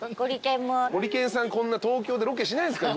ゴリけんさんこんな東京でロケしないですから。